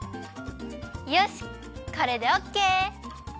よしこれでオッケー！